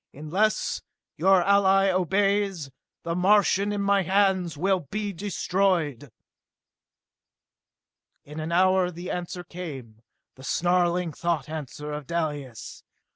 Unless your ally obeys, the Martians in my hands will be destroyed!" In an hour the answer came, the snarling thought answer of Dalis.